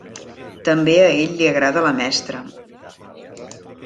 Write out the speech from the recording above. També a ell li agrada la mestra.